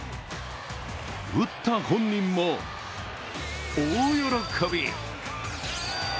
打った本人も大喜び。